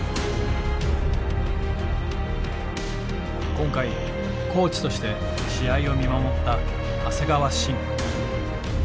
今回コーチとして試合を見守った長谷川慎。